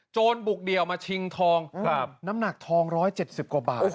โจรบุกเดียวมาชิงทองครับน้ำหนักทองร้อยเจ็ดสิบกว่าบาทอ่ะ